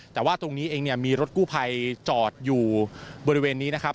แต่ว่าตรงนี้เองเนี่ยมีรถกู้ภัยจอดอยู่บริเวณนี้นะครับ